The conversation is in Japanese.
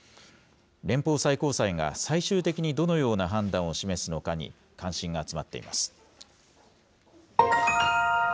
連邦最高裁が最終的にどのような判断を示すのかに関心が集まっています。